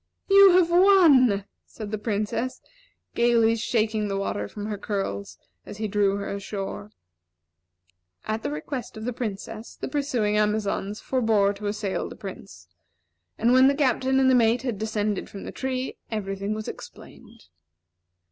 "You have won," said the Princess, gayly shaking the water from her curls, as he drew her ashore. At the request of the Princess, the pursuing Amazons forbore to assail the Prince, and when the Captain and the Mate had descended from the tree, every thing was explained.